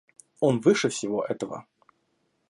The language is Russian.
Он выше всего этого.